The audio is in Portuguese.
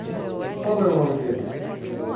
Qual é o nome dele?